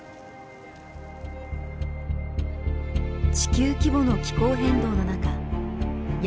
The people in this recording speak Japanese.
地球規模の気候変動の中山